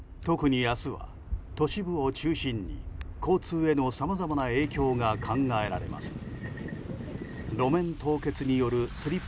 特に、明日は都市部を中心に交通へのさまざまな影響が考えられます。